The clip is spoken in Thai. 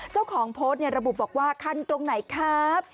เจ้าของโพสต์ระบุบอกว่าคันตรงไหนครับ